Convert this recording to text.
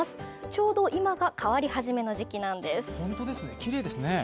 ちょうど今が変わり始めの時期なんですね。